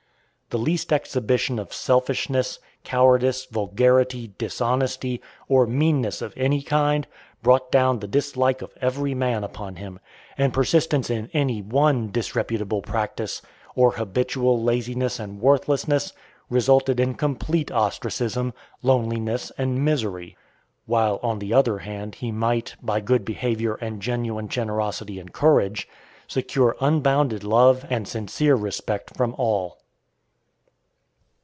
The least exhibition of selfishness, cowardice, vulgarity, dishonesty, or meanness of any kind, brought down the dislike of every man upon him, and persistence in any one disreputable practice, or habitual laziness and worthlessness, resulted in complete ostracism, loneliness, and misery; while, on the other hand, he might, by good behavior and genuine generosity and courage, secure unbounded love and sincere respect from all.